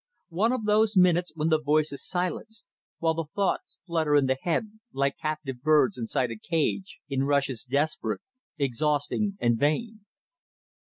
One of those minutes when the voice is silenced, while the thoughts flutter in the head, like captive birds inside a cage, in rushes desperate, exhausting and vain.